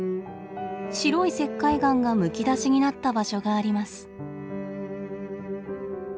白い石灰岩がむき出しになった場所があります。